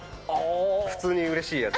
普通にうれしいやつ。